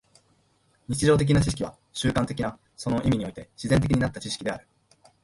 日常的な知識は習慣的な、その意味において自然的になった知識である。